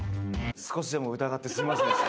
少しでも疑ってすみませんでした